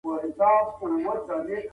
نړيوال حقوق به د کمزورو هيوادونو ملاتړ کوي.